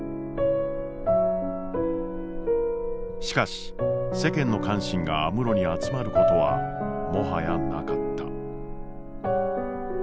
しかし世間の関心が安室に集まることはもはやなかった。